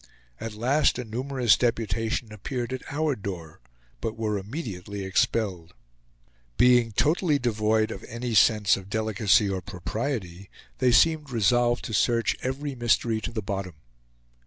At last a numerous deputation appeared at our door, but were immediately expelled. Being totally devoid of any sense of delicacy or propriety, they seemed resolved to search every mystery to the bottom.